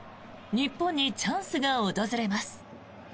日本にチャンスが訪れます。